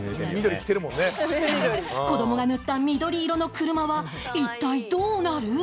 子どもが塗った緑色の車は一体どうなる。